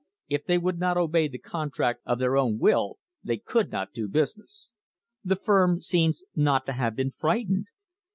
If they would not obey the contract of their own will they could not do business. The firm seems not to have been frightened.